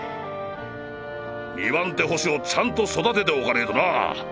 ２番手捕手をちゃんと育てておかねぇとな。